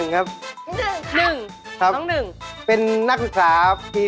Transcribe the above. คำถามได้มาเป็นแชลแดงศิลัทธ์เลย